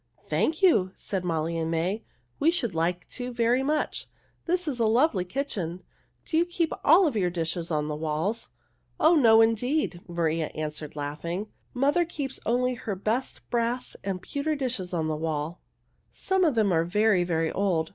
"Thank you!" said Molly and May. "We should like to very much. This is a lovely kitchen. Do you keep all of your dishes on the walls?" "Oh, no, indeed!" Maria answered, laughing. "Mother keeps only her best brass and pewter dishes on the walls. Some of them are very, very old.